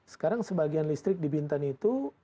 sekarang sebagian listrik di bintan itu